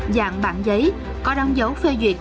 dạng bản giấy có đăng dấu phê duyệt